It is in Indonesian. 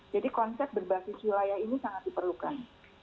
jadi konsep berbasis wilayah ini sangat diperlukan